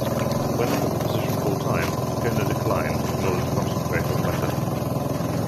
When offered the position full-time, Tokona declined in order to concentrate on Weta.